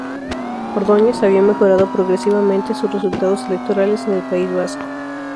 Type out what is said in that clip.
Ordóñez había mejorado progresivamente sus resultados electorales en el País Vasco.